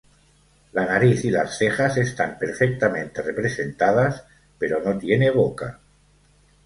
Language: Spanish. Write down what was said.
La nariz y las cejas están perfectamente representadas, pero no tiene boca.